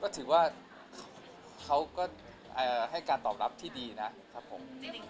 ถือว่าเขาก็ให้การตอบรับที่ดีนะครับผม